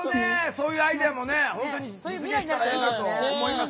そういうアイデアも実現したらええなと思います。